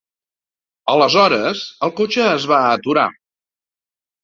Aleshores el cotxe es va aturar.